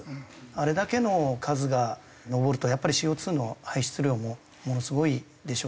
あれだけの数が上るとやっぱりＣＯ２の排出量もものすごいでしょうし。